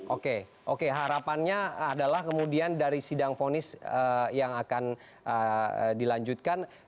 oke oke harapannya adalah kemudian dari sidang fonis yang akan dilanjutkan